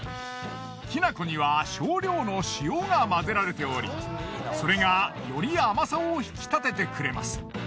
きな粉には少量の塩が混ぜられておりそれがより甘さを引き立ててくれます。